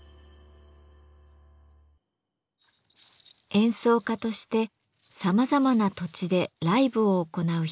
演奏家としてさまざまな土地でライブを行う平井さん。